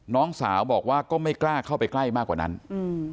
น้องสาวบอกว่าก็ไม่กล้าเข้าไปใกล้มากกว่านั้นอืม